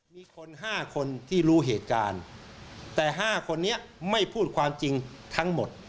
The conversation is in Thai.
มีคน๕คนที่รู้เหตุการณ์แต่๕คนนี้ไม่พูดความจริงทั้งหมด